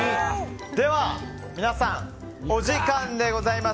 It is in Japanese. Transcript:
では、皆さんお時間でございます。